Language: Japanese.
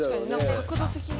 角度的に。